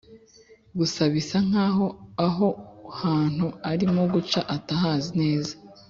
gusa bisa nkaho aho hantu arimo guca atahazi neza,